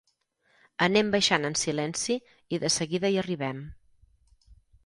Anem baixant en silenci i de seguida hi arribem.